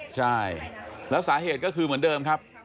ใช่แล้วสาเหตุก็คือเหมือนเดิมครับ